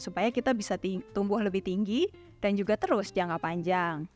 supaya kita bisa tumbuh lebih tinggi dan juga terus jangka panjang